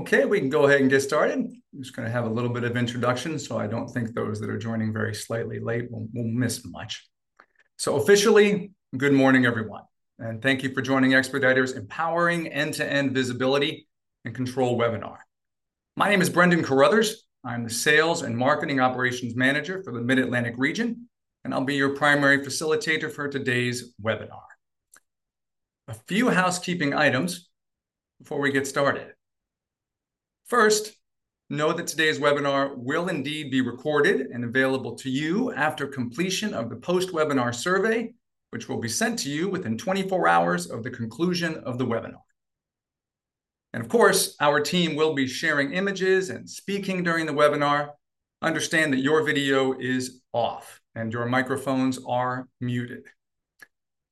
Okay, we can go ahead and get started. I'm just going to have a little bit of introduction, so I don't think those that are joining very slightly late will miss much. So officially, good morning, everyone, and thank you for joining Expeditors Empowering End-to-End Visibility and Control webinar. My name is Brendan Carruthers. I'm the Sales and Marketing Operations Manager for the Mid-Atlantic region, and I'll be your primary facilitator for today's webinar. A few housekeeping items before we get started. First, know that today's webinar will indeed be recorded and available to you after completion of the post-webinar survey, which will be sent to you within 24 hours of the conclusion of the webinar. And of course, our team will be sharing images and speaking during the webinar. Understand that your video is off and your microphones are muted.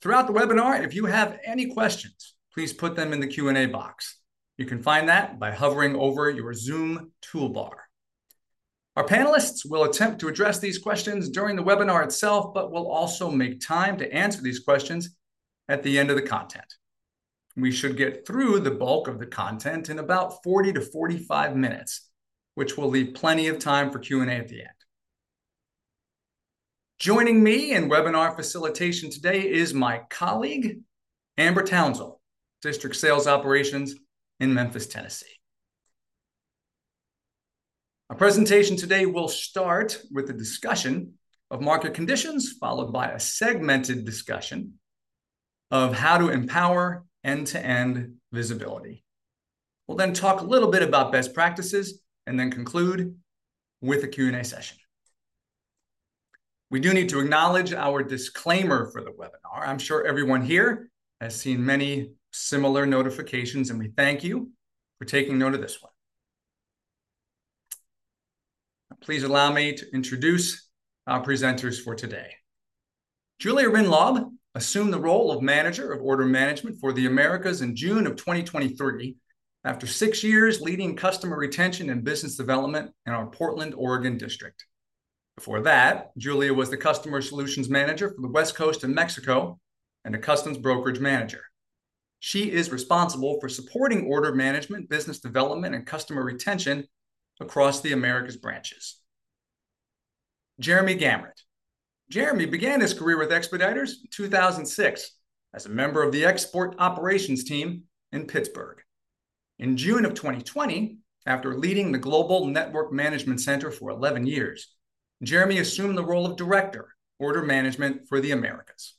Throughout the webinar, if you have any questions, please put them in the Q&A box. You can find that by hovering over your Zoom toolbar. Our panelists will attempt to address these questions during the webinar itself, but will also make time to answer these questions at the end of the content. We should get through the bulk of the content in about 40-45 minutes, which will leave plenty of time for Q&A at the end. Joining me in webinar facilitation today is my colleague, Amber Townsell, District Sales Operations in Memphis, Tennessee. Our presentation today will start with a discussion of market conditions, followed by a segmented discussion of how to empower end-to-end visibility. We'll then talk a little bit about best practices and then conclude with a Q&A session. We do need to acknowledge our disclaimer for the webinar. I'm sure everyone here has seen many similar notifications, and we thank you for taking note of this one. Please allow me to introduce our presenters for today. Julia Weinlaub assumed the role of Manager of Order Management for the Americas in June of 2023, after six years leading customer retention and business development in our Portland, Oregon district. Before that, Julia was the Customer Solutions Manager for the West Coast of Mexico and a Customs Brokerage Manager. She is responsible for supporting order management, business development, and customer retention across the Americas branches. Jeremy Gemmert. Jeremy began his career with Expeditors in 2006 as a member of the Export Operations team in Pittsburgh. In June of 2020, after leading the Global Network Management Center for 11 years, Jeremy assumed the role of Director of Order Management for the Americas.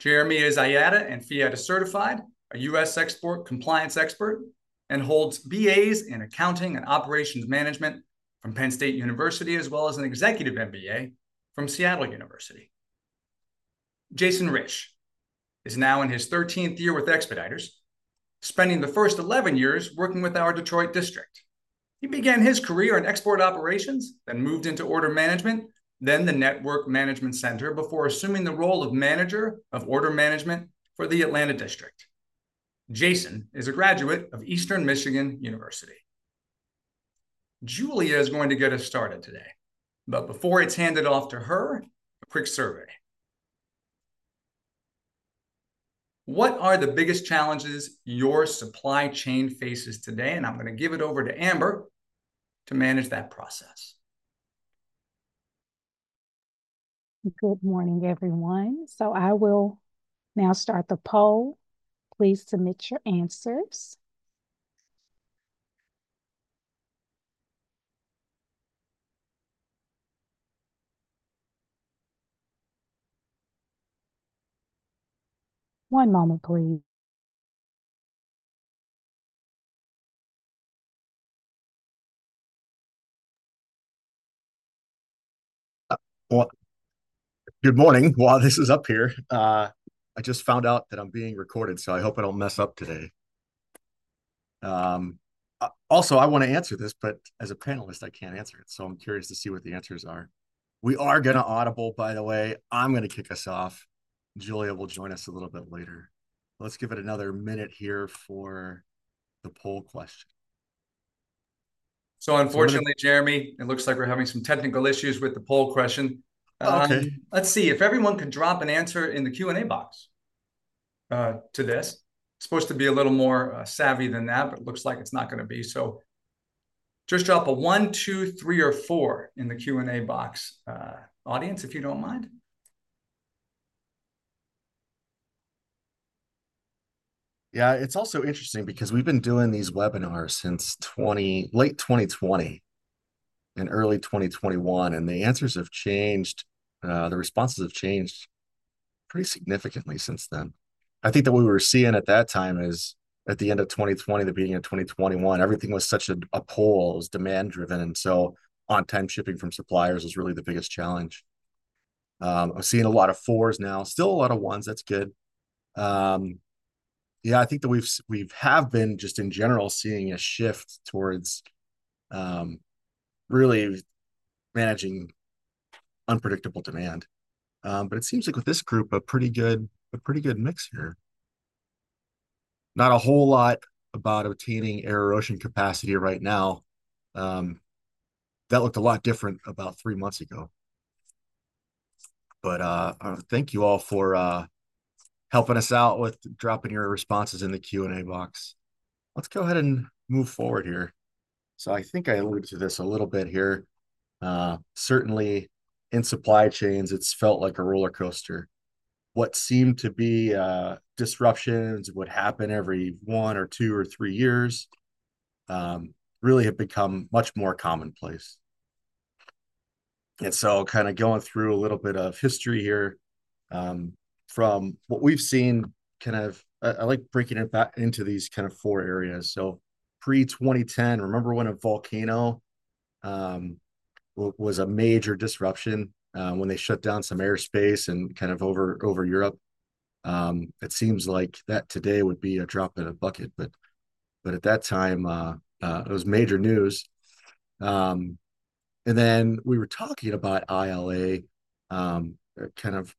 Jeremy is IATA and FIATA certified, a U.S. export compliance expert, and holds B.A.s in Accounting and Operations Management from Penn State University, as well as an Executive MBA from Seattle University. Jason Rich is now in his 13th year with Expeditors, spending the first 11 years working with our Detroit district. He began his career in export operations, then moved into order management, then the Network Management Center, before assuming the role of Manager of Order Management for the Atlanta district. Jason is a graduate of Eastern Michigan University. Julia is going to get us started today, but before it's handed off to her, a quick survey. What are the biggest challenges your supply chain faces today, and I'm going to give it over to Amber to manage that process. Good morning, everyone. So I will now start the poll. Please submit your answers. One moment, please. Good morning. While this is up here, I just found out that I'm being recorded, so I hope I don't mess up today. Also, I want to answer this, but as a panelist, I can't answer it, so I'm curious to see what the answers are. We are going to audible, by the way. I'm going to kick us off. Julia will join us a little bit later. Let's give it another minute here for the poll question. Unfortunately, Jeremy, it looks like we're having some technical issues with the poll question. Let's see if everyone can drop an answer in the Q&A box to this. Supposed to be a little more savvy than that, but it looks like it's not going to be. So just drop a one, two, three, or four in the Q&A box, audience, if you don't mind. Yeah, it's also interesting because we've been doing these webinars since late 2020 and early 2021, and the answers have changed. The responses have changed pretty significantly since then. I think that what we were seeing at that time is at the end of 2020, the beginning of 2021, everything was such a pull. It was demand-driven. And so on-time shipping from suppliers was really the biggest challenge. I'm seeing a lot of fours now, still a lot of ones. That's good. Yeah, I think that we have been just in general seeing a shift towards really managing unpredictable demand. But it seems like with this group, a pretty good mix here. Not a whole lot about obtaining air and ocean capacity right now. That looked a lot different about three months ago. But thank you all for helping us out with dropping your responses in the Q&A box. Let's go ahead and move forward here. So I think I alluded to this a little bit here. Certainly, in supply chains, it's felt like a roller coaster. What seemed to be disruptions, what happened every one or two or three years, really have become much more commonplace. And so kind of going through a little bit of history here from what we've seen, kind of I like breaking it back into these kind of four areas. So pre-2010, remember when a volcano was a major disruption when they shut down some airspace and kind of over Europe? It seems like that today would be a drop in a bucket, but at that time, it was major news. And then we were talking about ILA kind of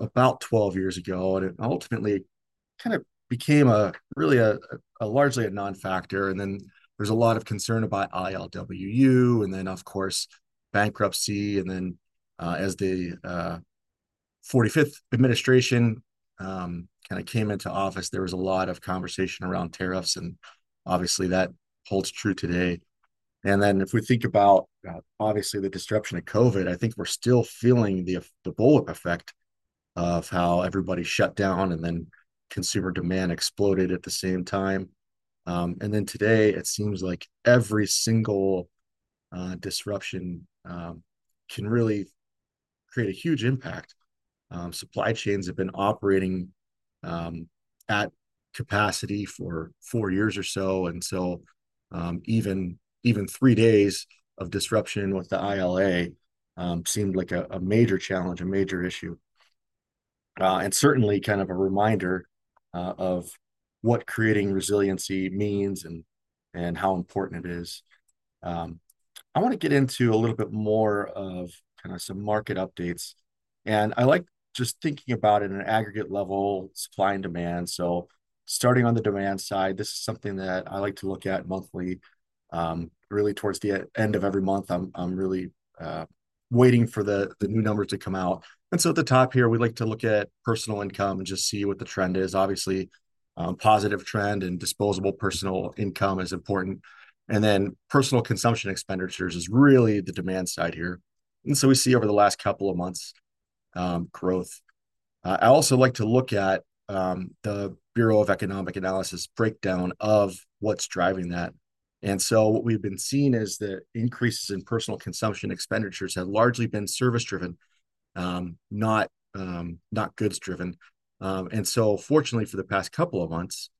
about 12 years ago, and it ultimately kind of became really largely a non-factor. And then there's a lot of concern about ILWU, and then, of course, bankruptcy. And then as the 45th administration kind of came into office, there was a lot of conversation around tariffs, and obviously that holds true today. And then if we think about obviously the disruption of COVID, I think we're still feeling the bullwhip effect of how everybody shut down and then consumer demand exploded at the same time. And then today, it seems like every single disruption can really create a huge impact. Supply chains have been operating at capacity for four years or so. And so even three days of disruption with the ILA seemed like a major challenge, a major issue, and certainly kind of a reminder of what creating resiliency means and how important it is. I want to get into a little bit more of kind of some market updates. I like just thinking about it in an aggregate level, supply and demand. Starting on the demand side, this is something that I like to look at monthly, really towards the end of every month. I'm really waiting for the new numbers to come out. So at the top here, we'd like to look at personal income and just see what the trend is. Obviously, positive trend and disposable personal income is important. Then personal consumption expenditures is really the demand side here. So we see over the last couple of months growth. I also like to look at the Bureau of Economic Analysis breakdown of what's driving that. So what we've been seeing is the increases in personal consumption expenditures have largely been service-driven, not goods-driven. And so fortunately, for the past couple of months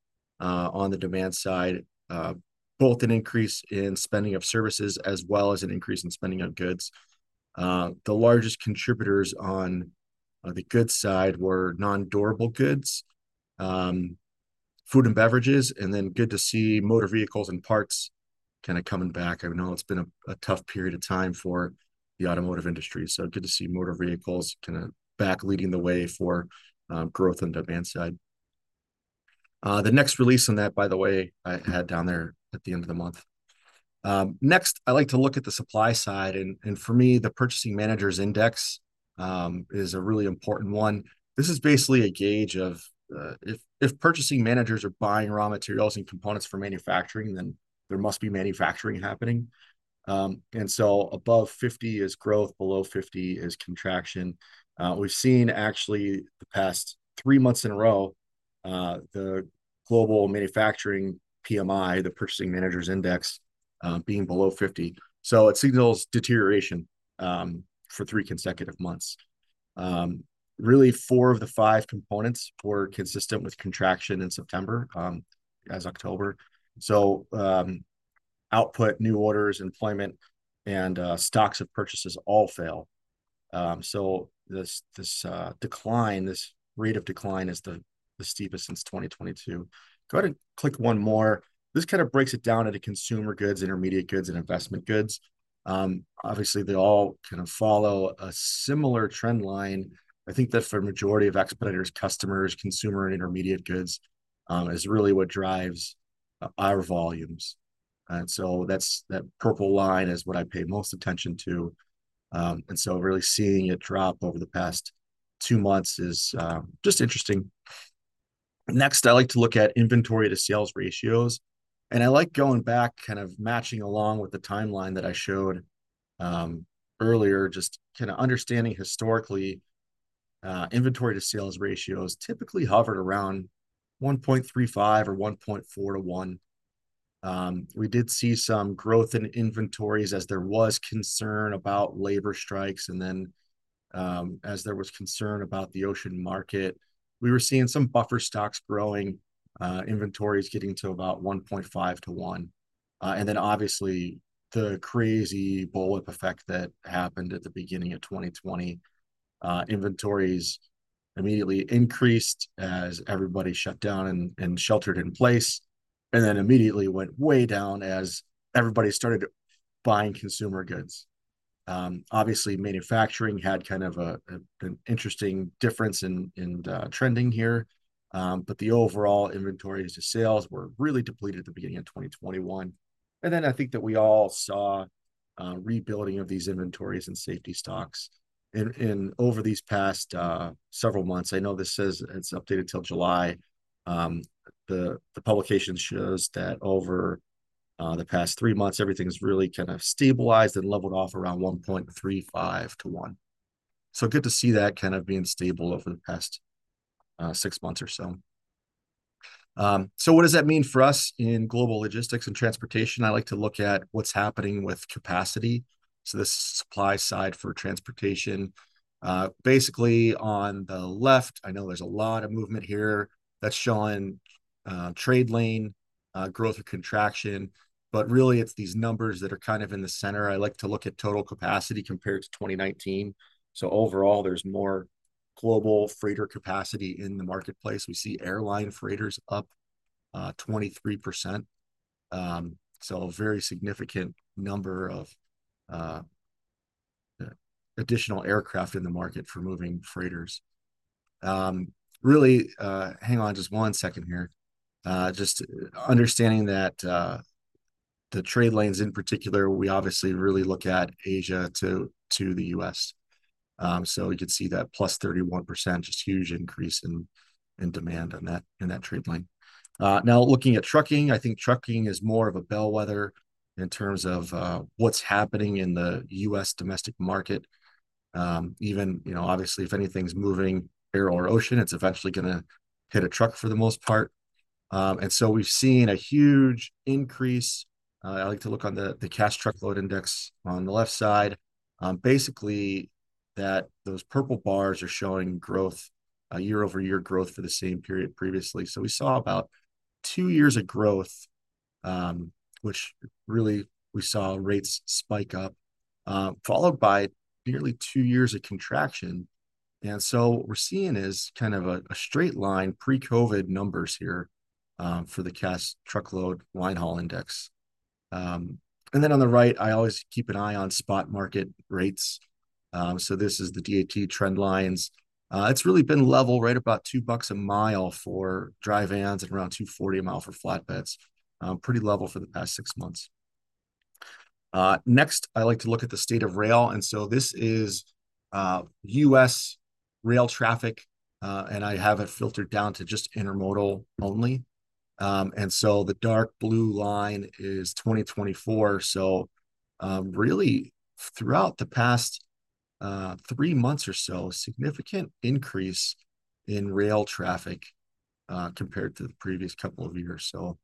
on the demand side, both an increase in spending of services as well as an increase in spending on goods. The largest contributors on the goods side were non-durable goods, food and beverages, and then good to see motor vehicles and parts kind of coming back. I know it's been a tough period of time for the automotive industry. So good to see motor vehicles kind of back leading the way for growth on the demand side. The next release on that, by the way, I had down there at the end of the month. Next, I like to look at the supply side. And for me, the Purchasing Managers' Index is a really important one. This is basically a gauge of if purchasing managers are buying raw materials and components for manufacturing, then there must be manufacturing happening. Above 50 is growth, below 50 is contraction. We've seen actually the past three months in a row, the global manufacturing PMI, the Purchasing Managers' Index, being below 50. It signals deterioration for three consecutive months. Really, four of the five components were consistent with contraction in September and October. Output, new orders, employment, and stocks of purchases all fell. This decline, this rate of decline is the steepest since 2022. Go ahead and click one more. This kind of breaks it down into consumer goods, intermediate goods, and investment goods. Obviously, they all kind of follow a similar trend line. I think that for a majority of Expeditors customers, consumer and intermediate goods is really what drives our volumes. That purple line is what I pay most attention to. And so really seeing it drop over the past two months is just interesting. Next, I like to look at inventory to sales ratios. And I like going back, kind of matching along with the timeline that I showed earlier, just kind of understanding historically inventory to sales ratios typically hovered around 1.35 or 1.4 to 1. We did see some growth in inventories as there was concern about labor strikes. And then as there was concern about the ocean market, we were seeing some buffer stocks growing, inventories getting to about 1.5 to 1. And then obviously the crazy bullwhip effect that happened at the beginning of 2020. Inventories immediately increased as everybody shut down and sheltered in place, and then immediately went way down as everybody started buying consumer goods. Obviously, manufacturing had kind of an interesting difference in trending here, but the overall inventories to sales were really depleted at the beginning of 2021. And then I think that we all saw rebuilding of these inventories and safety stocks over these past several months. I know this says it's updated till July. The publication shows that over the past three months, everything's really kind of stabilized and leveled off around 1.35 to 1. So good to see that kind of being stable over the past six months or so. So what does that mean for us in global logistics and transportation? I like to look at what's happening with capacity. So this is supply side for transportation. Basically on the left, I know there's a lot of movement here that's showing trade lane, growth, or contraction, but really it's these numbers that are kind of in the center. I like to look at total capacity compared to 2019. So overall, there's more global freighter capacity in the marketplace. We see airline freighters up 23%. So a very significant number of additional aircraft in the market for moving freighters. Really, hang on just one second here. Just understanding that the trade lanes in particular, we obviously really look at Asia to the U.S. So we could see that plus 31%, just huge increase in demand on that trade line. Now looking at trucking, I think trucking is more of a bellwether in terms of what's happening in the U.S. domestic market. Obviously, if anything's moving air or ocean, it's eventually going to hit a truck for the most part. And so we've seen a huge increase. I like to look on the Cass Truckload Index on the left side. Basically, those purple bars are showing growth, year-over-year growth for the same period previously. So we saw about two years of growth, which really we saw rates spike up, followed by nearly two years of contraction. And so what we're seeing is kind of a straight line pre-COVID numbers here for the Cass Truckload Linehaul Index. And then on the right, I always keep an eye on spot market rates. So this is the DAT trend lines. It's really been level, right about $2 a mile for dry vans and around $240 a mile for flatbeds. Pretty level for the past six months. Next, I like to look at the state of rail. And so this is U.S. rail traffic, and I have it filtered down to just intermodal only. And so the dark blue line is 2024. So, really, throughout the past three months or so, significant increase in rail traffic compared to the previous couple of years. So,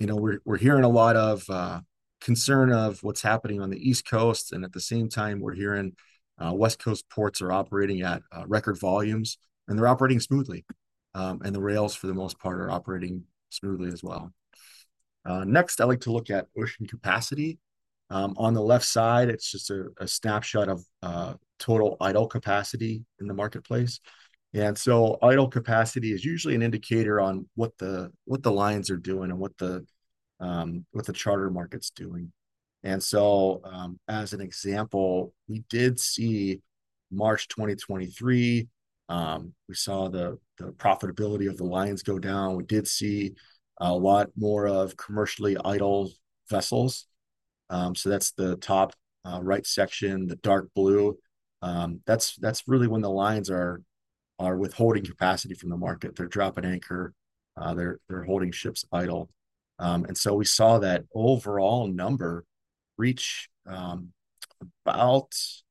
we're hearing a lot of concern of what's happening on the East Coast. And at the same time, we're hearing West Coast ports are operating at record volumes, and they're operating smoothly. And the rails, for the most part, are operating smoothly as well. Next, I like to look at ocean capacity. On the left side, it's just a snapshot of total idle capacity in the marketplace. And so, idle capacity is usually an indicator on what the lines are doing and what the charter market's doing. And so, as an example, we did see March 2023. We saw the profitability of the lines go down. We did see a lot more of commercially idle vessels. So, that's the top right section, the dark blue. That's really when the lines are withholding capacity from the market. They're dropping anchor. They're holding ships idle. And so we saw that overall number reach about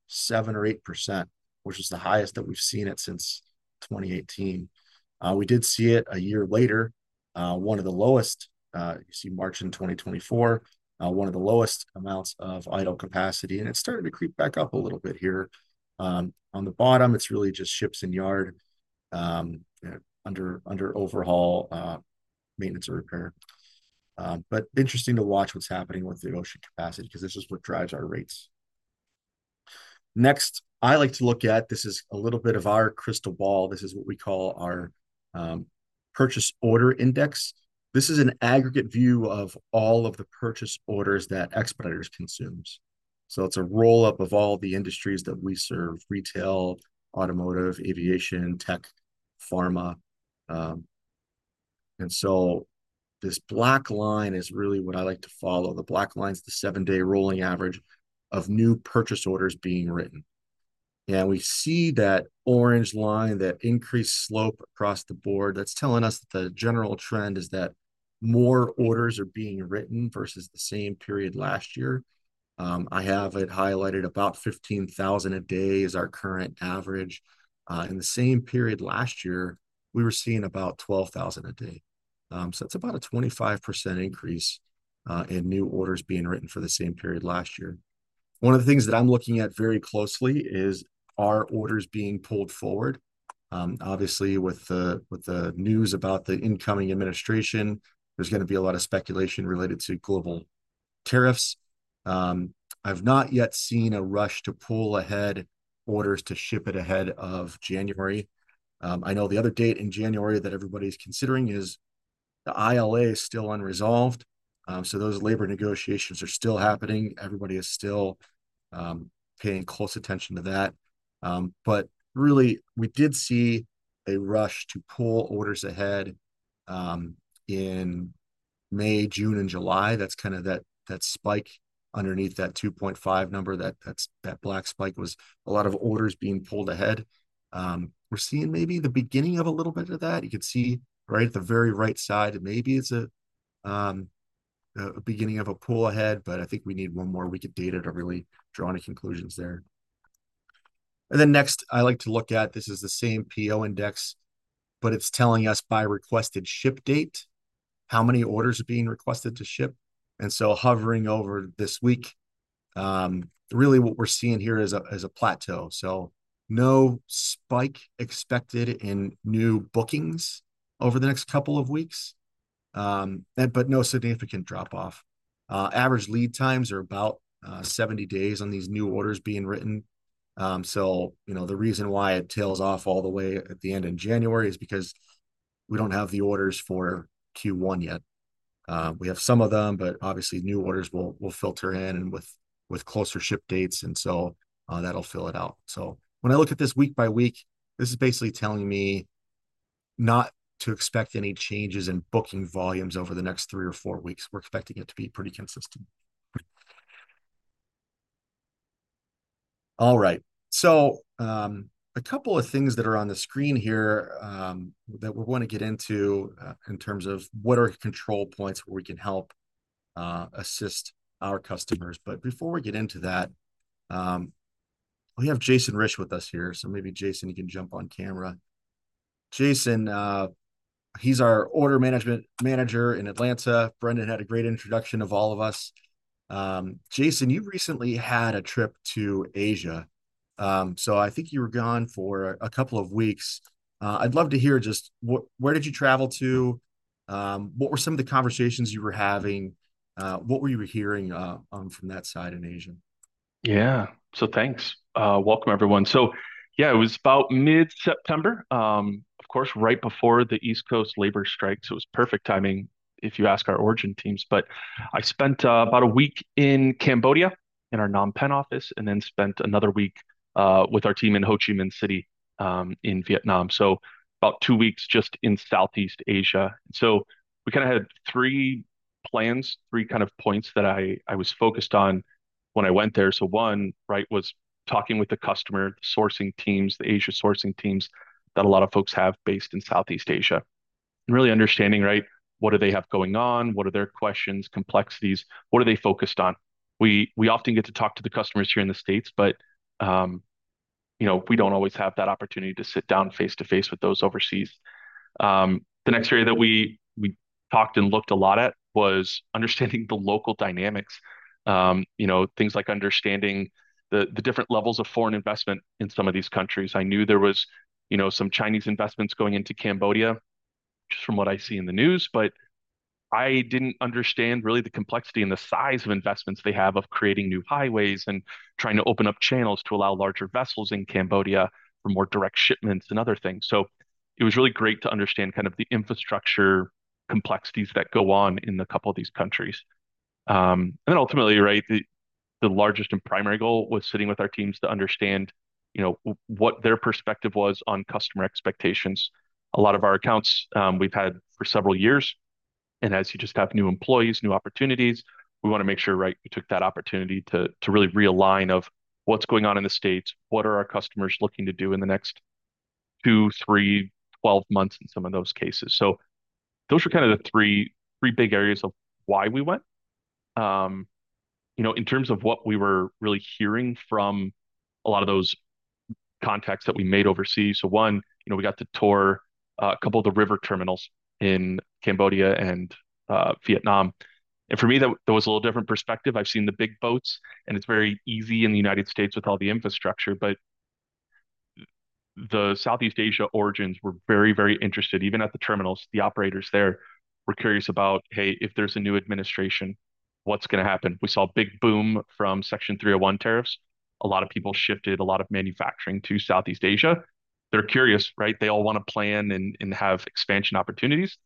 7% or 8%, which was the highest that we've seen it since 2018. We did see it a year later, one of the lowest, you see March in 2024, one of the lowest amounts of idle capacity. And it started to creep back up a little bit here. On the bottom, it's really just ships and yard under overhaul, maintenance, or repair. But interesting to watch what's happening with the ocean capacity because this is what drives our rates. Next, I like to look at this is a little bit of our crystal ball. This is what we call our purchase order index. This is an aggregate view of all of the purchase orders that Expeditors consumes. So it's a roll-up of all the industries that we serve: retail, automotive, aviation, tech, pharma. And so this black line is really what I like to follow. The black line's the seven-day rolling average of new purchase orders being written. And we see that orange line, that increased slope across the board, that's telling us that the general trend is that more orders are being written versus the same period last year. I have it highlighted about 15,000 a day is our current average. In the same period last year, we were seeing about 12,000 a day. So it's about a 25% increase in new orders being written for the same period last year. One of the things that I'm looking at very closely is our orders being pulled forward. Obviously, with the news about the incoming administration, there's going to be a lot of speculation related to global tariffs. I've not yet seen a rush to pull ahead orders to ship it ahead of January. I know the other date in January that everybody's considering is the ILA is still unresolved, so those labor negotiations are still happening. Everybody is still paying close attention to that, but really, we did see a rush to pull orders ahead in May, June, and July. That's kind of that spike underneath that 2.5 number, that black spike was a lot of orders being pulled ahead. We're seeing maybe the beginning of a little bit of that. You can see right at the very right side, maybe it's the beginning of a pull ahead, but I think we need one more week of data to really draw any conclusions there. And then next, I like to look at this. This is the same PO index, but it's telling us by requested ship date how many orders are being requested to ship. And so hovering over this week, really what we're seeing here is a plateau. So no spike expected in new bookings over the next couple of weeks, but no significant drop-off. Average lead times are about 70 days on these new orders being written. So the reason why it tails off all the way at the end in January is because we don't have the orders for Q1 yet. We have some of them, but obviously new orders will filter in with closer ship dates, and so that'll fill it out. So when I look at this week by week, this is basically telling me not to expect any changes in booking volumes over the next three or four weeks. We're expecting it to be pretty consistent. All right. So a couple of things that are on the screen here that we want to get into in terms of what are control points where we can help assist our customers. But before we get into that, we have Jason Rich with us here. So maybe Jason, you can jump on camera. Jason, he's our Order Manager in Atlanta. Brendan had a great introduction of all of us. Jason, you recently had a trip to Asia. So I think you were gone for a couple of weeks. I'd love to hear just where did you travel to? What were some of the conversations you were having? What were you hearing from that side in Asia? Yeah. So thanks. Welcome, everyone. So yeah, it was about mid-September, of course, right before the East Coast labor strike. So it was perfect timing if you ask our origin teams. But I spent about a week in Cambodia in our Phnom Penh office and then spent another week with our team in Ho Chi Minh City in Vietnam. So about two weeks just in Southeast Asia. So we kind of had three plans, three kind of points that I was focused on when I went there. So one, right, was talking with the customer, the sourcing teams, the Asia sourcing teams that a lot of folks have based in Southeast Asia. And really understanding, right, what do they have going on? What are their questions, complexities? What are they focused on? We often get to talk to the customers here in the States, but we don't always have that opportunity to sit down face-to-face with those overseas. The next area that we talked and looked a lot at was understanding the local dynamics, things like understanding the different levels of foreign investment in some of these countries. I knew there was some Chinese investments going into Cambodia, just from what I see in the news, but I didn't understand really the complexity and the size of investments they have of creating new highways and trying to open up channels to allow larger vessels in Cambodia for more direct shipments and other things, so it was really great to understand kind of the infrastructure complexities that go on in a couple of these countries, and then ultimately, right, the largest and primary goal was sitting with our teams to understand what their perspective was on customer expectations. A lot of our accounts we've had for several years. As you just have new employees, new opportunities, we want to make sure, right? We took that opportunity to really realign of what's going on in the States, what are our customers looking to do in the next two, three, 12 months in some of those cases. Those were kind of the three big areas of why we went. In terms of what we were really hearing from a lot of those contacts that we made overseas. One, we got to tour a couple of the river terminals in Cambodia and Vietnam. For me, that was a little different perspective. I've seen the big boats, and it's very easy in the United States with all the infrastructure. The Southeast Asia origins were very, very interested. Even at the terminals, the operators there were curious about, "Hey, if there's a new administration, what's going to happen?" We saw a big boom from Section 301 tariffs. A lot of people shifted a lot of manufacturing to Southeast Asia. They're curious, right? They all want to plan and have expansion opportunities.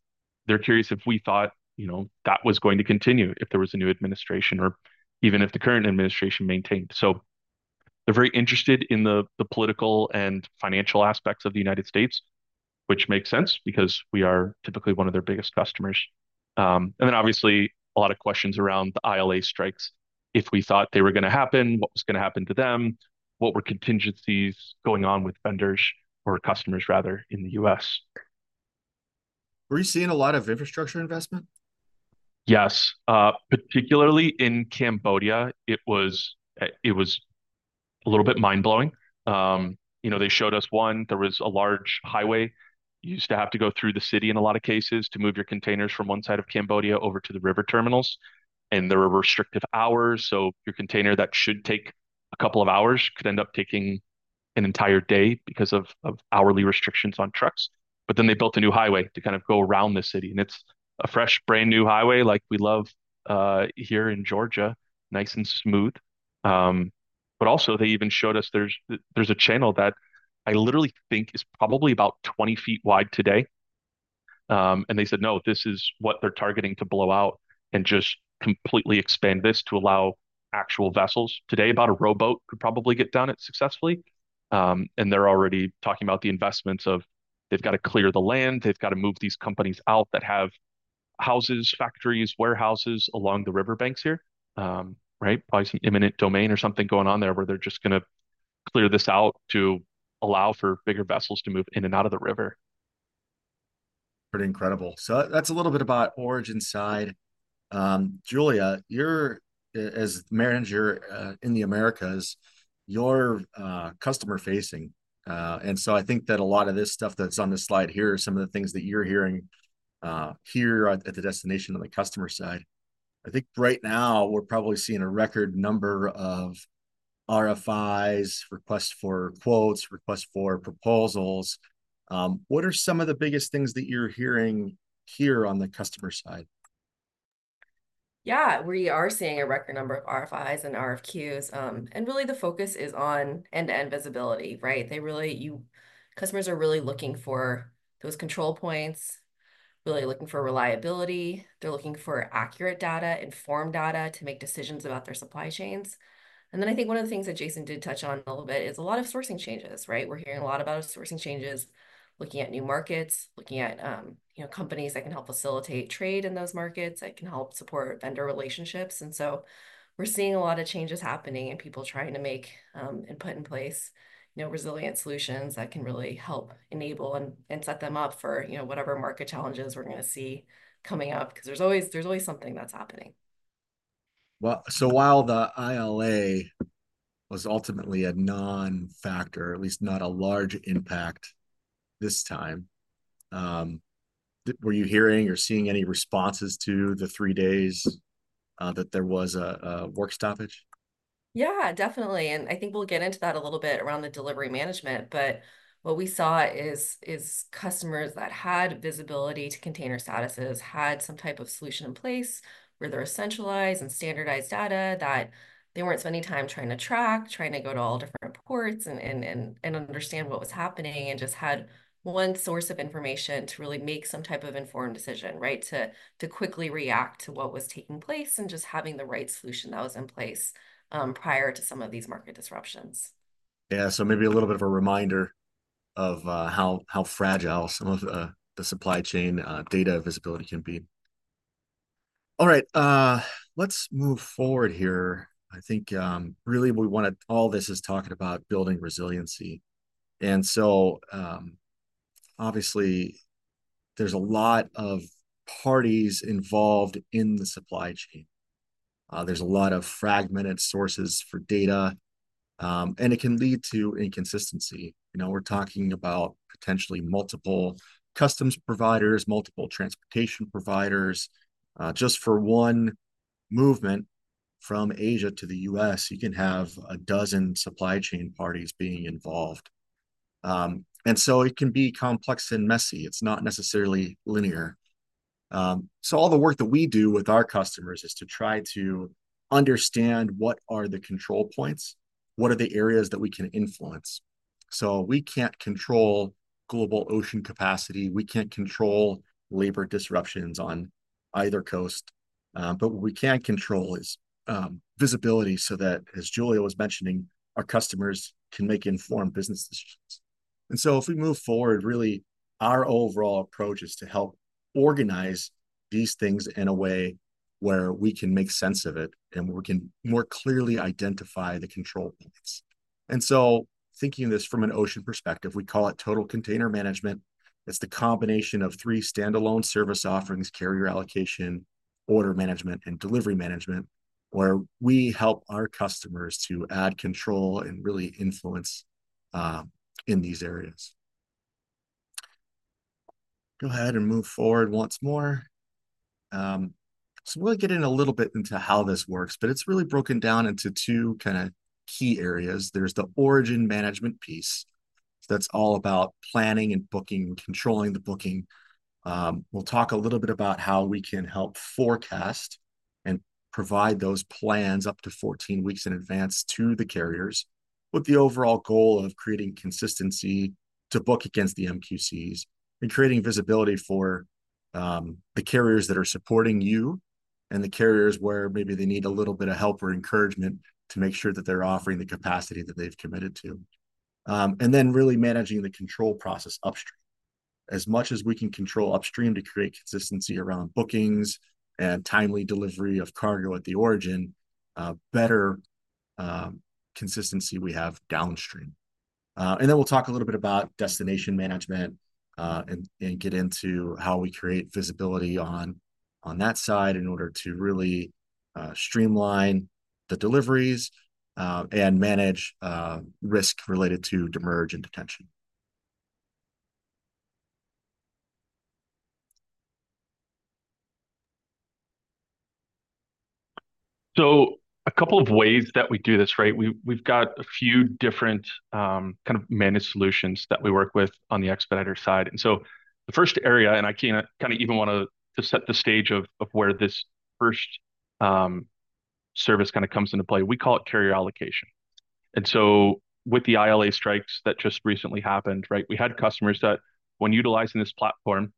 They're curious if we thought that was going to continue if there was a new administration or even if the current administration maintained. So they're very interested in the political and financial aspects of the United States, which makes sense because we are typically one of their biggest customers. And then obviously, a lot of questions around the ILA strikes. If we thought they were going to happen, what was going to happen to them? What were contingencies going on with vendors or customers, rather, in the U.S.? Were you seeing a lot of infrastructure investment? Yes. Particularly in Cambodia, it was a little bit mind-blowing. They showed us one. There was a large highway. You used to have to go through the city in a lot of cases to move your containers from one side of Cambodia over to the river terminals, and there were restrictive hours, so your container that should take a couple of hours could end up taking an entire day because of hourly restrictions on trucks, but then they built a new highway to kind of go around the city, and it's a fresh, brand new highway like we love here in Georgia, nice and smooth, but also, they even showed us there's a channel that I literally think is probably about 20 feet wide today. They said, "No, this is what they're targeting to blow out and just completely expand this to allow actual vessels." Today, about a rowboat could probably get done successfully. They're already talking about the investments of they've got to clear the land. They've got to move these companies out that have houses, factories, warehouses along the riverbanks here, right? Probably some eminent domain or something going on there where they're just going to clear this out to allow for bigger vessels to move in and out of the river. Pretty incredible. That's a little bit about origin side. Julia, as manager in the Americas, you're customer-facing. And so I think that a lot of this stuff that's on the slide here, some of the things that you're hearing here at the destination on the customer side, I think right now we're probably seeing a record number of RFIs, requests for quotes, requests for proposals. What are some of the biggest things that you're hearing here on the customer side? Yeah, we are seeing a record number of RFIs and RFQs. And really, the focus is on end-to-end visibility, right? Customers are really looking for those control points, really looking for reliability. They're looking for accurate data, informed data to make decisions about their supply chains. And then I think one of the things that Jason did touch on a little bit is a lot of sourcing changes, right? We're hearing a lot about sourcing changes, looking at new markets, looking at companies that can help facilitate trade in those markets that can help support vendor relationships, and so we're seeing a lot of changes happening and people trying to make and put in place resilient solutions that can really help enable and set them up for whatever market challenges we're going to see coming up because there's always something that's happening, so while the ILA was ultimately a non-factor, at least not a large impact this time, were you hearing or seeing any responses to the three days that there was a work stoppage? Yeah, definitely, and I think we'll get into that a little bit around the delivery management. But what we saw is customers that had visibility to container statuses had some type of solution in place where there were centralized and standardized data that they weren't spending time trying to track, trying to go to all different ports and understand what was happening and just had one source of information to really make some type of informed decision, right, to quickly react to what was taking place and just having the right solution that was in place prior to some of these market disruptions. Yeah, so maybe a little bit of a reminder of how fragile some of the supply chain data visibility can be. All right. Let's move forward here. I think really we want to all this is talking about building resiliency. And so obviously, there's a lot of parties involved in the supply chain. There's a lot of fragmented sources for data. It can lead to inconsistency. We're talking about potentially multiple customs providers, multiple transportation providers. Just for one movement from Asia to the U.S., you can have a dozen supply chain parties being involved. It can be complex and messy. It's not necessarily linear. All the work that we do with our customers is to try to understand what are the control points, what are the areas that we can influence. We can't control global ocean capacity. We can't control labor disruptions on either coast. What we can control is visibility so that, as Julia was mentioning, our customers can make informed business decisions. If we move forward, really, our overall approach is to help organize these things in a way where we can make sense of it and we can more clearly identify the control points. And so thinking of this from an ocean perspective, we call it Total Container Management. It's the combination of three standalone service offerings, Carrier Allocation, Order Management, and Delivery Management, where we help our customers to add control and really influence in these areas. Go ahead and move forward once more. So we'll get in a little bit into how this works, but it's really broken down into two kind of key areas. There's the origin management piece. That's all about planning and booking and controlling the booking. We'll talk a little bit about how we can help forecast and provide those plans up to 14 weeks in advance to the carriers with the overall goal of creating consistency to book against the MQCs and creating visibility for the carriers that are supporting you and the carriers where maybe they need a little bit of help or encouragement to make sure that they're offering the capacity that they've committed to. And then really managing the control process upstream. As much as we can control upstream to create consistency around bookings and timely delivery of cargo at the origin, better consistency we have downstream. And then we'll talk a little bit about destination management and get into how we create visibility on that side in order to really streamline the deliveries and manage risk related to demurrage and detention. So a couple of ways that we do this, right? We've got a few different kind of managed solutions that we work with on the Expeditors side. And so the first area, and I kind of even want to set the stage of where this first service kind of comes into play, we call it carrier allocation. And so with the ILA strikes that just recently happened, right, we had customers that when utilizing this platform,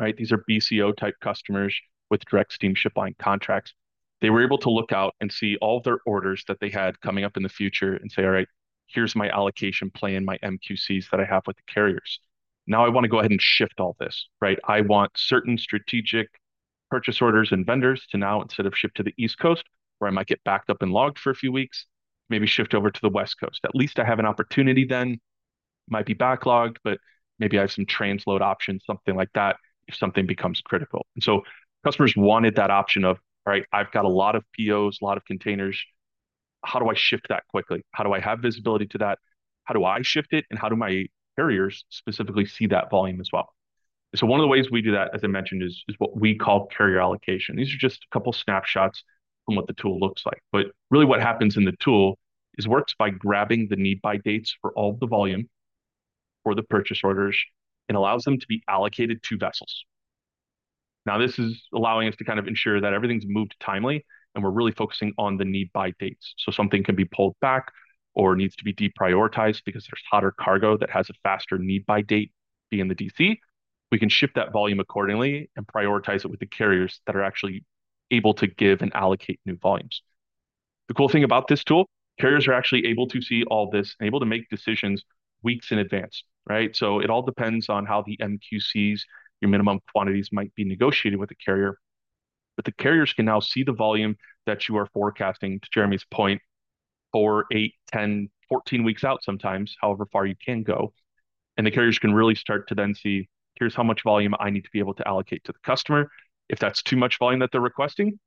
right, these are BCO-type customers with direct steamship line contracts. They were able to look out and see all of their orders that they had coming up in the future and say, "All right, here's my allocation plan, my MQCs that I have with the carriers. Now I want to go ahead and shift all this, right? I want certain strategic purchase orders and vendors to now, instead of ship to the East Coast, where I might get backed up and logged for a few weeks, maybe shift over to the West Coast. At least I have an opportunity then. Might be backlogged, but maybe I have some transload options, something like that if something becomes critical." And so customers wanted that option of, "All right, I've got a lot of POs, a lot of containers. How do I shift that quickly? How do I have visibility to that? How do I shift it? And how do my carriers specifically see that volume as well?" So one of the ways we do that, as I mentioned, is what we call Carrier Allocation. These are just a couple of snapshots from what the tool looks like. But really what happens in the tool is works by grabbing the need-by dates for all of the volume for the purchase orders and allows them to be allocated to vessels. Now this is allowing us to kind of ensure that everything's moved timely and we're really focusing on the need-by dates. So something can be pulled back or needs to be deprioritized because there's hotter cargo that has a faster need-by date being the DC. We can shift that volume accordingly and prioritize it with the carriers that are actually able to give and allocate new volumes. The cool thing about this tool, carriers are actually able to see all this and able to make decisions weeks in advance, right? So it all depends on how the MQCs, your minimum quantities might be negotiated with the carrier. The carriers can now see the volume that you are forecasting to Jeremy's point for eight, 10, 14 weeks out sometimes, however far you can go. The carriers can really start to then see, "Here's how much volume I need to be able to allocate to the customer. If that's too much volume that they're requesting,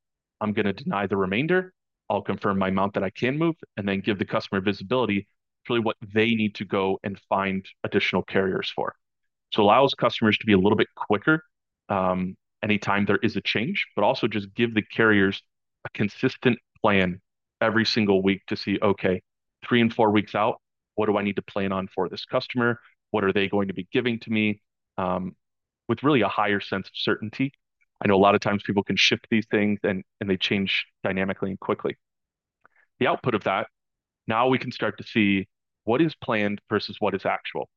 I'm going to deny the remainder. I'll confirm my amount that I can move and then give the customer visibility for what they need to go and find additional carriers for." It allows customers to be a little bit quicker anytime there is a change, but also just give the carriers a consistent plan every single week to see, "Okay, three and four weeks out, what do I need to plan on for this customer? What are they going to be giving to me?" With really a higher sense of certainty. I know a lot of times people can shift these things and they change dynamically and quickly. The output of that, now we can start to see what is planned versus what is actual.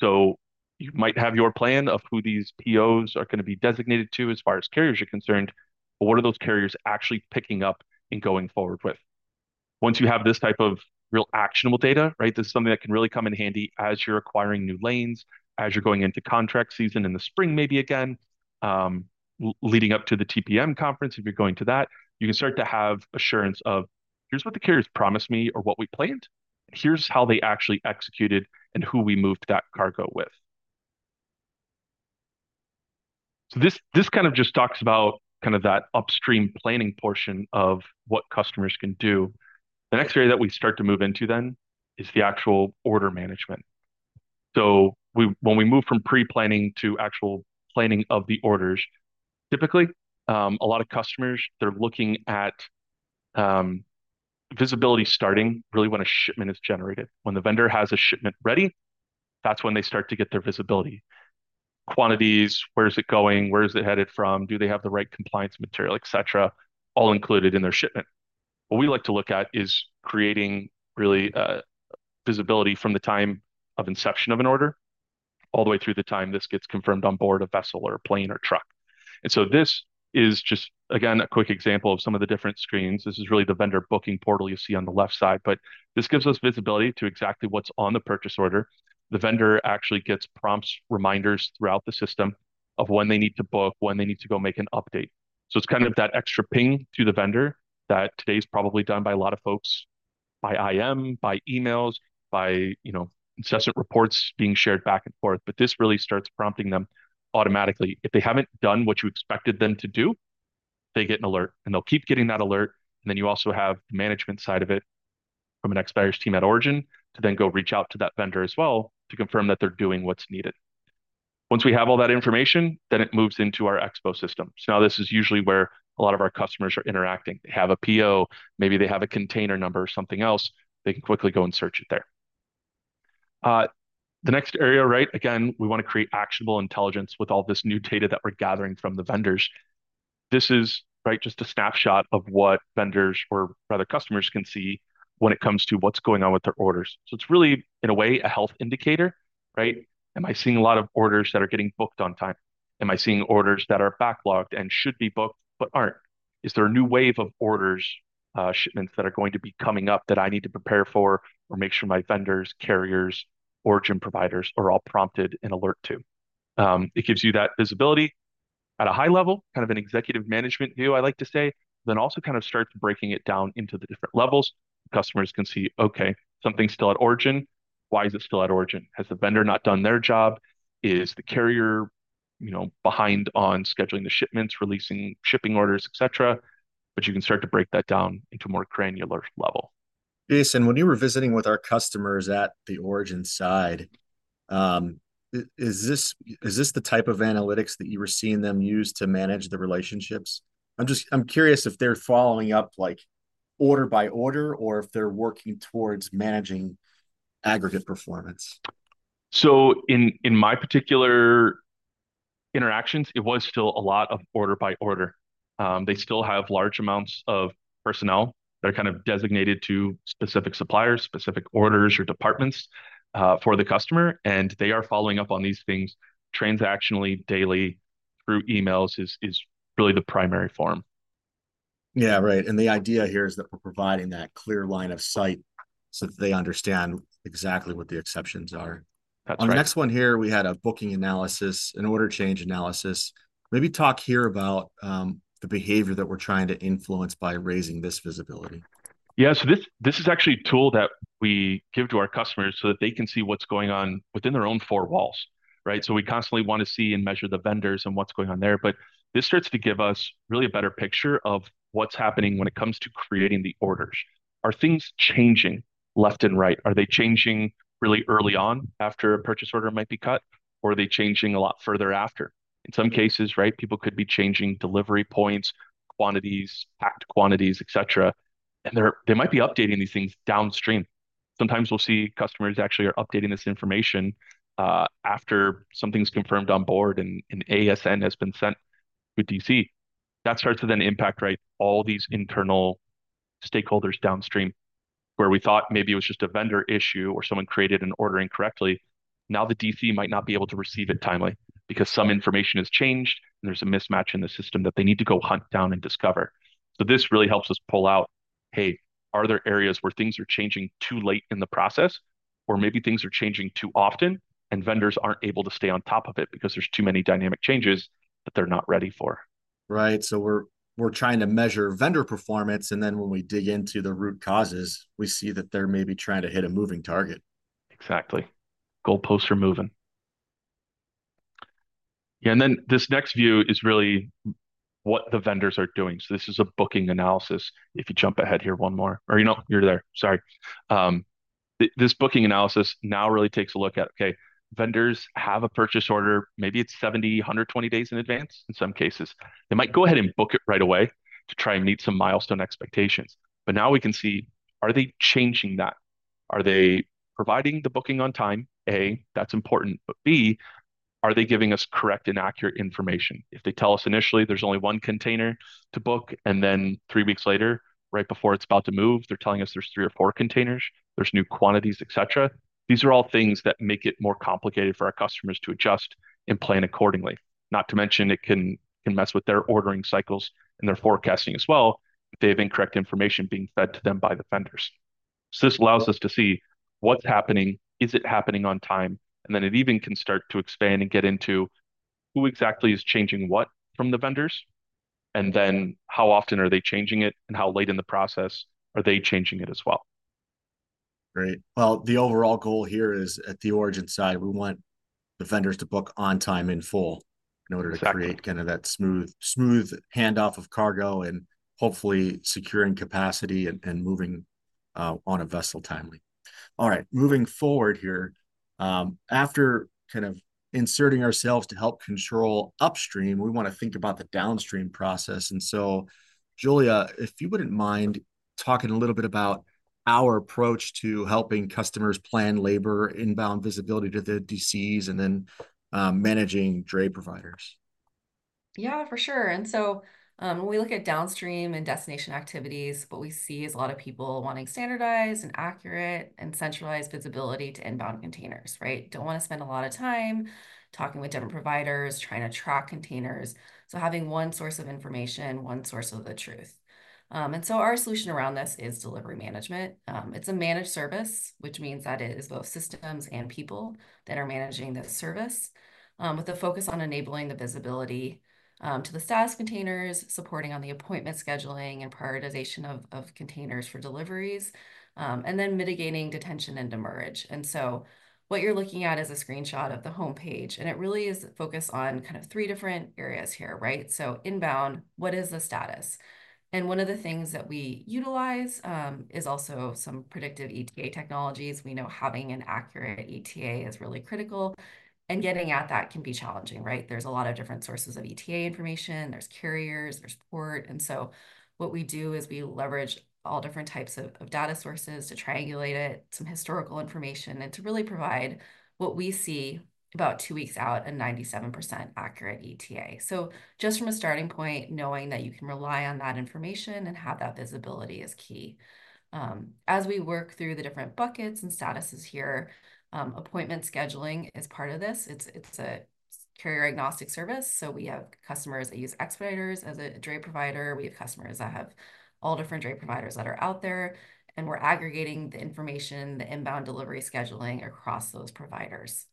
So you might have your plan of who these POs are going to be designated to as far as carriers are concerned, but what are those carriers actually picking up and going forward with? Once you have this type of real actionable data, right, this is something that can really come in handy as you're acquiring new lanes, as you're going into contract season in the spring maybe again, leading up to the TPM conference, if you're going to that, you can start to have assurance of, "Here's what the carriers promised me or what we planned. Here's how they actually executed and who we moved that cargo with." So this kind of just talks about kind of that upstream planning portion of what customers can do. The next area that we start to move into then is the actual order management. So when we move from pre-planning to actual planning of the orders, typically a lot of customers, they're looking at visibility starting really when a shipment is generated. When the vendor has a shipment ready, that's when they start to get their visibility. Quantities, where is it going, where is it headed from, do they have the right compliance material, et cetera, all included in their shipment. What we like to look at is creating really visibility from the time of inception of an order all the way through the time this gets confirmed on board a vessel or a plane or truck. And so this is just, again, a quick example of some of the different screens. This is really the vendor booking portal you see on the left side, but this gives us visibility to exactly what's on the purchase order. The vendor actually gets prompts, reminders throughout the system of when they need to book, when they need to go make an update. So it's kind of that extra ping to the vendor that today is probably done by a lot of folks, by IM, by emails, by assessment reports being shared back and forth. But this really starts prompting them automatically. If they haven't done what you expected them to do, they get an alert and they'll keep getting that alert. And then you also have the management side of it from an Expeditors team at origin to then go reach out to that vendor as well to confirm that they're doing what's needed. Once we have all that information, then it moves into our exp.o system. So now this is usually where a lot of our customers are interacting. They have a PO, maybe they have a container number or something else. They can quickly go and search it there. The next area, right, again, we want to create actionable intelligence with all this new data that we're gathering from the vendors. This is just a snapshot of what vendors or rather customers can see when it comes to what's going on with their orders. So it's really, in a way, a health indicator, right? Am I seeing a lot of orders that are getting booked on time? Am I seeing orders that are backlogged and should be booked but aren't? Is there a new wave of orders, shipments that are going to be coming up that I need to prepare for or make sure my vendors, carriers, origin providers are all prompted and alert to? It gives you that visibility at a high level, kind of an executive management view, I like to say, then also kind of starts breaking it down into the different levels. Customers can see, "Okay, something's still at origin. Why is it still at origin? Has the vendor not done their job? Is the carrier behind on scheduling the shipments, releasing shipping orders, et cetera?" But you can start to break that down into a more granular level. Jason, when you were visiting with our customers at the origin side, is this the type of analytics that you were seeing them use to manage the relationships? I'm curious if they're following up order by order or if they're working towards managing aggregate performance. So in my particular interactions, it was still a lot of order by order. They still have large amounts of personnel that are kind of designated to specific suppliers, specific orders or departments for the customer. And they are following up on these things transactionally. Daily through emails is really the primary form. Yeah, right. And the idea here is that we're providing that clear line of sight so that they understand exactly what the exceptions are. Our next one here, we had a booking analysis, an order change analysis. Maybe talk here about the behavior that we're trying to influence by raising this visibility. Yeah, so this is actually a tool that we give to our customers so that they can see what's going on within their own four walls, right? So we constantly want to see and measure the vendors and what's going on there. But this starts to give us really a better picture of what's happening when it comes to creating the orders. Are things changing left and right? Are they changing really early on after a purchase order might be cut? Or are they changing a lot further after? In some cases, right, people could be changing delivery points, quantities, packed quantities, et cetera. And they might be updating these things downstream. Sometimes we'll see customers actually are updating this information after something's confirmed on board and ASN has been sent to DC. That starts to then impact, right, all these internal stakeholders downstream where we thought maybe it was just a vendor issue or someone created an order incorrectly. Now the DC might not be able to receive it timely because some information has changed and there's a mismatch in the system that they need to go hunt down and discover. So this really helps us pull out, "Hey, are there areas where things are changing too late in the process? Or maybe things are changing too often and vendors aren't able to stay on top of it because there's too many dynamic changes that they're not ready for?" Right. So we're trying to measure vendor performance. And then when we dig into the root causes, we see that they're maybe trying to hit a moving target. Exactly. Goalposts are moving. Yeah. And then this next view is really what the vendors are doing. So this is a booking analysis. If you jump ahead here one more, or you're there. Sorry. This booking analysis now really takes a look at, okay, vendors have a purchase order, maybe it's 70, 120 days in advance in some cases. They might go ahead and book it right away to try and meet some milestone expectations. But now we can see, are they changing that? Are they providing the booking on time? A, that's important. But B, are they giving us correct and accurate information? If they tell us initially there's only one container to book, and then three weeks later, right before it's about to move, they're telling us there's three or four containers, there's new quantities, et cetera. These are all things that make it more complicated for our customers to adjust and plan accordingly. Not to mention it can mess with their ordering cycles and their forecasting as well if they have incorrect information being fed to them by the vendors. So this allows us to see what's happening, is it happening on time? And then it even can start to expand and get into who exactly is changing what from the vendors? And then how often are they changing it and how late in the process are they changing it as well? Great. Well, the overall goal here is at the origin side, we want the vendors to book on time in full in order to create kind of that smooth handoff of cargo and hopefully securing capacity and moving on a vessel timely. All right. Moving forward here, after kind of inserting ourselves to help control upstream, we want to think about the downstream process. And so, Julia, if you wouldn't mind talking a little bit about our approach to helping customers plan labor, inbound visibility to the DCs, and then managing dray providers. Yeah, for sure. And so when we look at downstream and destination activities, what we see is a lot of people wanting standardized and accurate and centralized visibility to inbound containers, right? Don't want to spend a lot of time talking with different providers, trying to track containers. So having one source of information, one source of the truth. And so our solution around this is Delivery Management. It's a managed service, which means that it is both systems and people that are managing the service with a focus on enabling the visibility to the status containers, supporting on the appointment scheduling and prioritization of containers for deliveries, and then mitigating detention and demurrage, and so what you're looking at is a screenshot of the homepage, and it really is focused on kind of three different areas here, right, so inbound, what is the status, and one of the things that we utilize is also some predictive ETA technologies. We know having an accurate ETA is really critical, and getting at that can be challenging, right? There's a lot of different sources of ETA information. There's carriers, there's port. And so what we do is we leverage all different types of data sources to triangulate it, some historical information, and to really provide what we see about two weeks out, a 97% accurate ETA. So just from a starting point, knowing that you can rely on that information and have that visibility is key. As we work through the different buckets and statuses here, appointment scheduling is part of this. It's a carrier-agnostic service. So we have customers that use Expeditors as a dray provider. We have customers that have all different dray providers that are out there. And we're aggregating the information, the inbound delivery scheduling across those providers.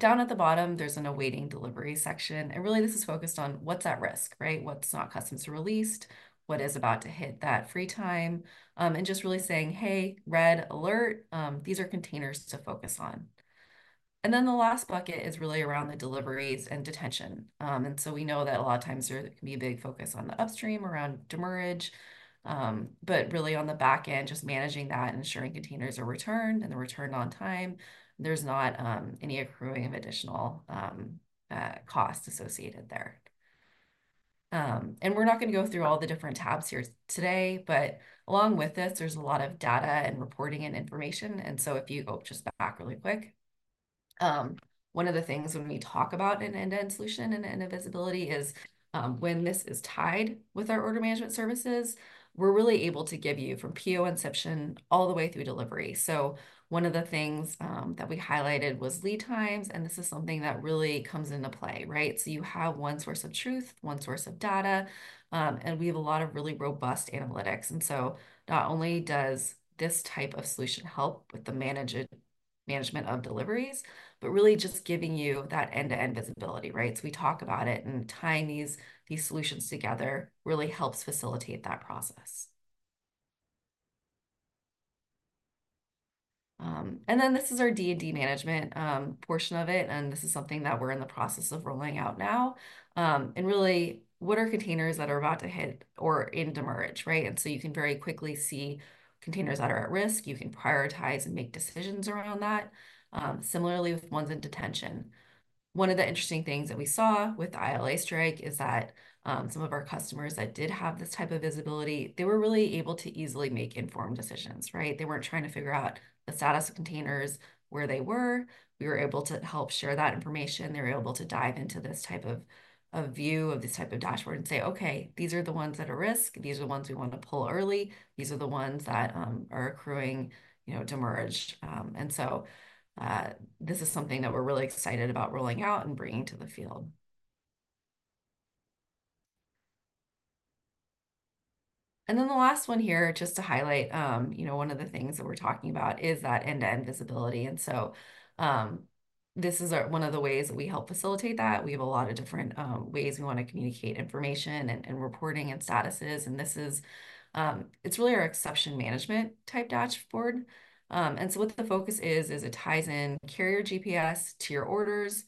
Down at the bottom, there's an awaiting delivery section. And really, this is focused on what's at risk, right? What's not customs released, what is about to hit that free time, and just really saying, "Hey, red alert, these are containers to focus on," and then the last bucket is really around the deliveries and detention. And so we know that a lot of times there can be a big focus on the upstream around demurrage, but really on the back end, just managing that and ensuring containers are returned and they're returned on time. There's not any accruing of additional costs associated there. And we're not going to go through all the different tabs here today, but along with this, there's a lot of data and reporting and information. And so if you go just back really quick, one of the things when we talk about an end-to-end solution and end-to-end visibility is when this is tied with our order management services, we're really able to give you from PO inception all the way through delivery. So one of the things that we highlighted was lead times. And this is something that really comes into play, right? So you have one source of truth, one source of data, and we have a lot of really robust analytics. And so not only does this type of solution help with the management of deliveries, but really just giving you that end-to-end visibility, right? So we talk about it and tying these solutions together really helps facilitate that process. And then this is our D&D management portion of it. And this is something that we're in the process of rolling out now. Really, what are containers that are about to hit or in demurrage, right? You can very quickly see containers that are at risk. You can prioritize and make decisions around that. Similarly, with ones in detention. One of the interesting things that we saw with ILA strike is that some of our customers that did have this type of visibility, they were really able to easily make informed decisions, right? They weren't trying to figure out the status of containers, where they were. We were able to help share that information. They were able to dive into this type of view of this type of dashboard and say, "Okay, these are the ones that are at risk. These are the ones we want to pull early. These are the ones that are accruing demurrage." And so this is something that we're really excited about rolling out and bringing to the field. And then the last one here, just to highlight, one of the things that we're talking about is that end-to-end visibility. And so this is one of the ways that we help facilitate that. We have a lot of different ways we want to communicate information and reporting and statuses. And this is really our exception management type dashboard. And so what the focus is, is it ties in carrier GPS to your orders,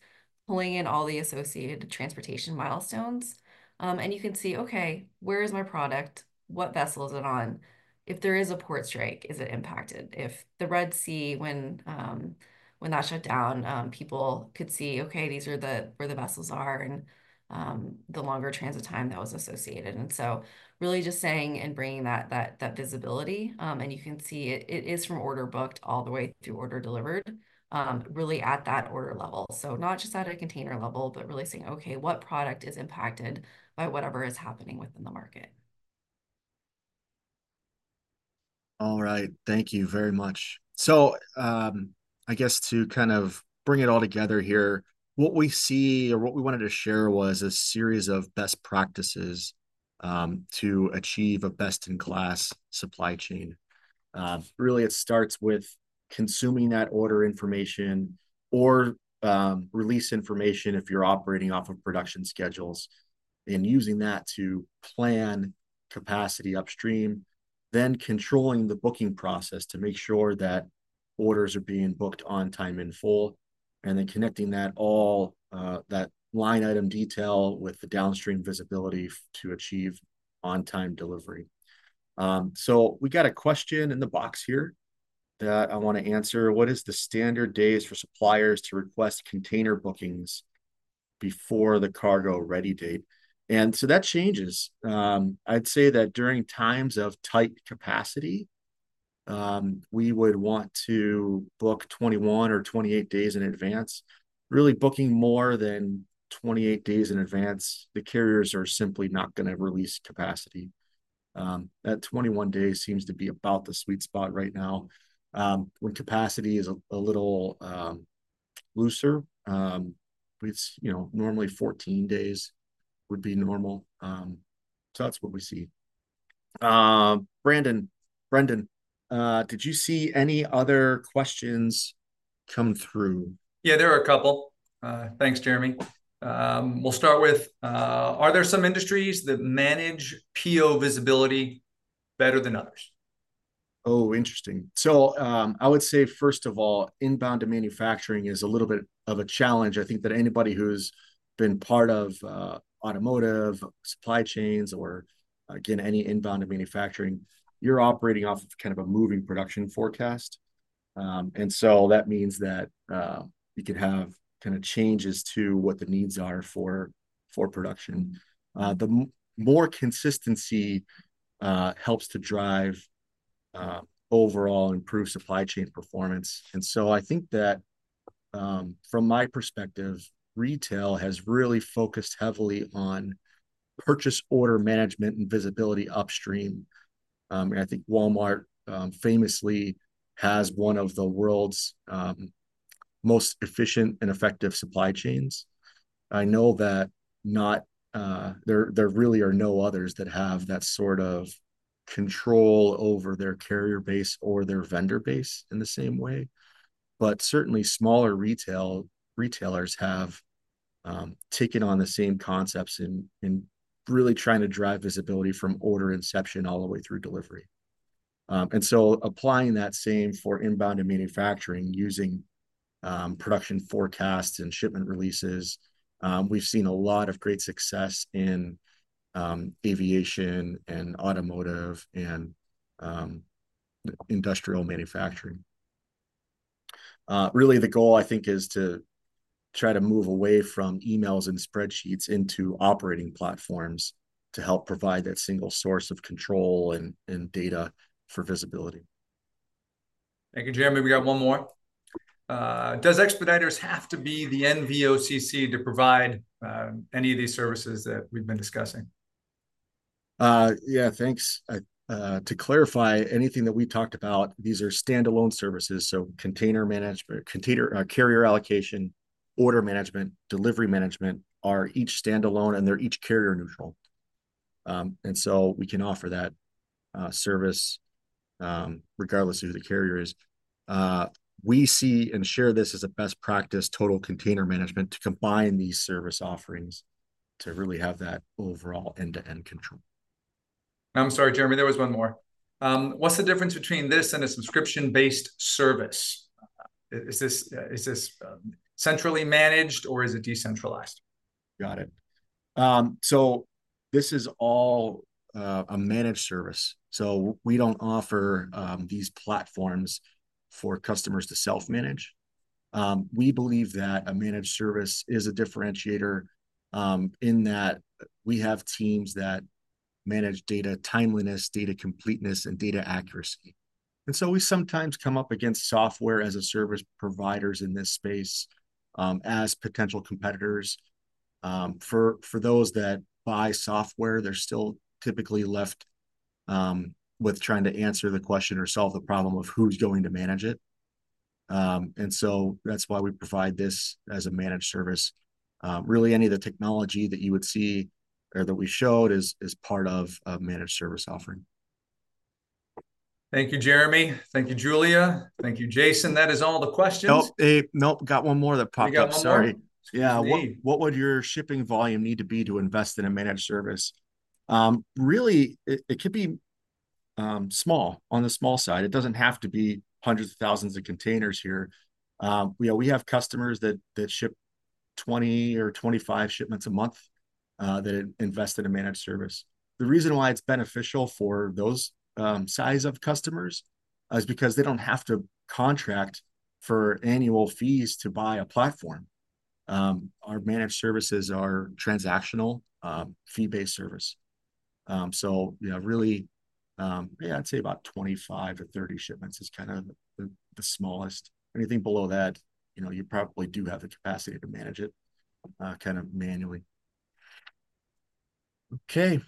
pulling in all the associated transportation milestones. And you can see, "Okay, where is my product? What vessel is it on? If there is a port strike, is it impacted? If the Red Sea, when that shut down, people could see, 'okay, these are where the vessels are and the longer transit time that was associated.' And so really just saying and bringing that visibility. And you can see it is from order booked all the way through order delivered, really at that order level. So not just at a container level, but really saying, 'Okay, what product is impacted by whatever is happening within the market?' All right. Thank you very much. So I guess to kind of bring it all together here, what we see or what we wanted to share was a series of best practices to achieve a best-in-class supply chain. Really, it starts with consuming that order information or release information if you're operating off of production schedules and using that to plan capacity upstream, then controlling the booking process to make sure that orders are being booked on time in full, and then connecting that line item detail with the downstream visibility to achieve on-time delivery. So we got a question in the box here that I want to answer. What is the standard days for suppliers to request container bookings before the cargo ready date? And so that changes. I'd say that during times of tight capacity, we would want to book 21 or 28 days in advance. Really booking more than 28 days in advance, the carriers are simply not going to release capacity. That 21 days seems to be about the sweet spot right now. When capacity is a little looser, normally 14 days would be normal. So that's what we see. Brandon, Brendan, did you see any other questions come through? Yeah, there are a couple. Thanks, Jeremy. We'll start with, are there some industries that manage PO visibility better than others? Oh, interesting. So I would say, first of all, inbound to manufacturing is a little bit of a challenge. I think that anybody who's been part of automotive supply chains or, again, any inbound to manufacturing, you're operating off of kind of a moving production forecast. And so that means that you can have kind of changes to what the needs are for production. The more consistency helps to drive overall improved supply chain performance. And so I think that from my perspective, retail has really focused heavily on purchase order management and visibility upstream. And I think Walmart famously has one of the world's most efficient and effective supply chains. I know that there really are no others that have that sort of control over their carrier base or their vendor base in the same way. But certainly, smaller retailers have taken on the same concepts and really trying to drive visibility from order inception all the way through delivery. And so applying that same for inbound to manufacturing using production forecasts and shipment releases, we've seen a lot of great success in aviation and automotive and industrial manufacturing. Really, the goal, I think, is to try to move away from emails and spreadsheets into operating platforms to help provide that single source of control and data for visibility. Thank you, Jeremy. We got one more. Does Expeditors have to be the NVOCC to provide any of these services that we've been discussing? Yeah, thanks. To clarify, anything that we talked about, these are standalone services. So container management, carrier allocation, order management, delivery management are each standalone, and they're each carrier neutral. And so we can offer that service regardless of who the carrier is. We see and share this as a best practice total container management to combine these service offerings to really have that overall end-to-end control. I'm sorry, Jeremy, there was one more. What's the difference between this and a subscription-based service? Is this centrally managed, or is it decentralized? Got it. So this is all a managed service. So we don't offer these platforms for customers to self-manage. We believe that a managed service is a differentiator in that we have teams that manage data timeliness, data completeness, and data accuracy. And so we sometimes come up against software as a service providers in this space as potential competitors. For those that buy software, they're still typically left with trying to answer the question or solve the problem of who's going to manage it. And so that's why we provide this as a managed service. Really, any of the technology that you would see or that we showed is part of a managed service offering. Thank you, Jeremy. Thank you, Julia. Thank you, Jason. That is all the questions. Nope. Nope. Got one more that popped up. Sorry. Yeah. What would your shipping volume need to be to invest in a managed service? Really, it could be small, on the small side. It doesn't have to be hundreds of thousands of containers here. We have customers that ship 20 or 25 shipments a month that invest in a managed service. The reason why it's beneficial for those size of customers is because they don't have to contract for annual fees to buy a platform. Our managed services are transactional, fee-based service. So really, yeah, I'd say about 25-30 shipments is kind of the smallest. Anything below that, you probably do have the capacity to manage it kind of manually. Okay.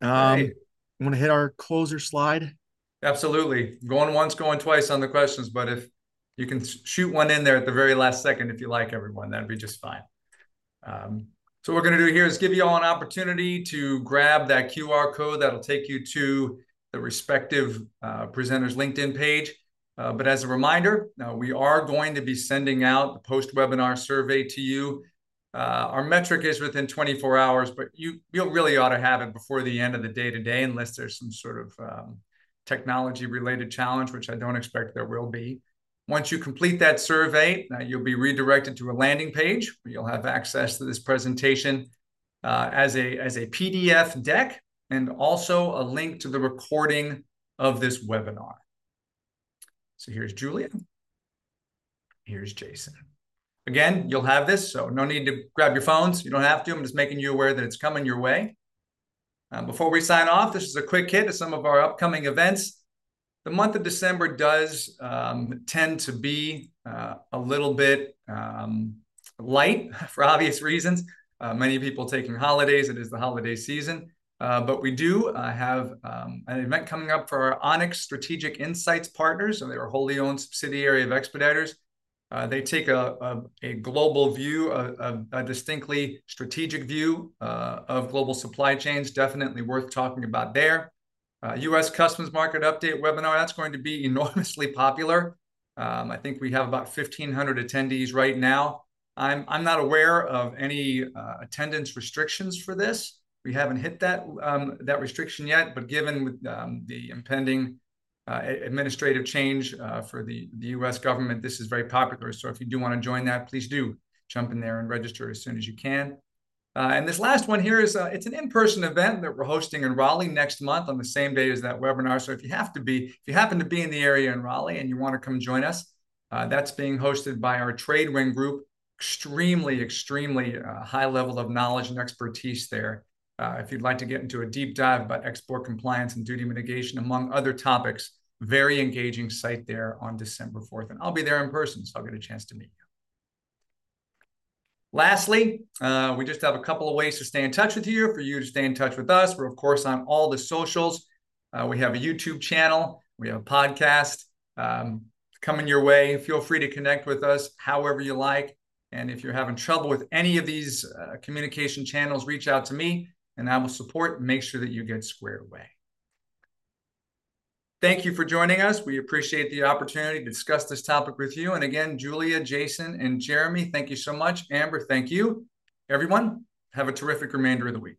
I want to hit our closer slide. Absolutely. Going once, going twice on the questions, but if you can shoot one in there at the very last second, if you like, everyone, that'd be just fine. So what we're going to do here is give you all an opportunity to grab that QR code that'll take you to the respective presenter's LinkedIn page. But as a reminder, we are going to be sending out the post-webinar survey to you. Our metric is within 24 hours, but you really ought to have it before the end of the day today unless there's some sort of technology-related challenge, which I don't expect there will be. Once you complete that survey, you'll be redirected to a landing page. You'll have access to this presentation as a PDF deck and also a link to the recording of this webinar. So here's Julia. Here's Jason. Again, you'll have this, so no need to grab your phones. You don't have to. I'm just making you aware that it's coming your way. Before we sign off, this is a quick hit of some of our upcoming events. The month of December does tend to be a little bit light for obvious reasons. Many people taking holidays. It is the holiday season. But we do have an event coming up for our Onyx Strategic Insights partners. They are a wholly owned subsidiary of Expeditors. They take a global view, a distinctly strategic view of global supply chains. Definitely worth talking about there. U.S. Customs Market Update webinar. That's going to be enormously popular. I think we have about 1,500 attendees right now. I'm not aware of any attendance restrictions for this. We haven't hit that restriction yet, but given the impending administrative change for the U.S. government, this is very popular. So if you do want to join that, please do jump in there and register as soon as you can, and this last one here is it's an in-person event that we're hosting in Raleigh next month on the same day as that webinar. So if you happen to be in the area in Raleigh and you want to come join us, that's being hosted by our Tradewin Group. Extremely, extremely high level of knowledge and expertise there. If you'd like to get into a deep dive about export compliance and duty mitigation, among other topics, very engaging site there on December 4th, and I'll be there in person, so I'll get a chance to meet you. Lastly, we just have a couple of ways to stay in touch with you, for you to stay in touch with us. We're, of course, on all the socials. We have a YouTube channel. We have a podcast coming your way. Feel free to connect with us however you like, and if you're having trouble with any of these communication channels, reach out to me, and I will support and make sure that you get squared away. Thank you for joining us. We appreciate the opportunity to discuss this topic with you, and again, Julia, Jason, and Jeremy, thank you so much. Amber, thank you. Everyone, have a terrific remainder of the week.